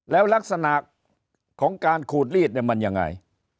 แล้วลักษณะของการขูดลีดมันยังไง